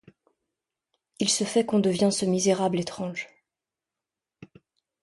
Il se fait qu'on devient ce misérable étrange !